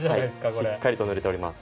しっかりとぬれております。